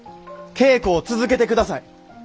稽古を続けてください。